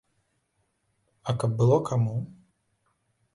А каб было каму?